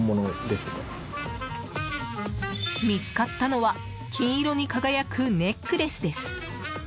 見つかったのは金色に輝くネックレスです。